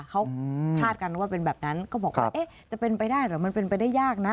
เขาคาดกันว่าเป็นแบบนั้นก็บอกว่าจะเป็นไปได้หรือมันเป็นไปได้ยากนะ